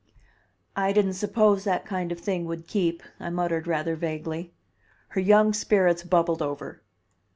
"I didn't suppose that kind of thing would keep," I muttered rather vaguely. Her young spirits bubbled over.